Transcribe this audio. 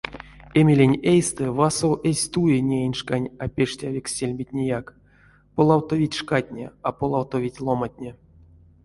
Эмелень эйстэ васов эзть туе неень шкань апештявикс сельметнеяк: полавтовить шкатне — а полавтовить ломантне.